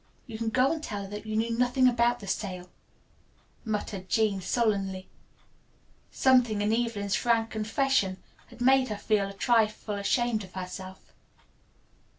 "You can go and tell her that you knew nothing about the sale," muttered Jean sullenly. Something in Evelyn's frank confession had made her feel a trifle ashamed of herself.